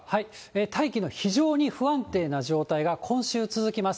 大気の非常に不安定な状態が今週続きます。